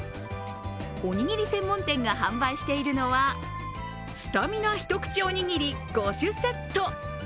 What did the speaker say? おにぎり専門店が販売しているのはスタミナ一口おにぎり５種セット。